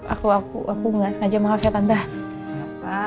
aku aku aku gak sengaja maaf ya tante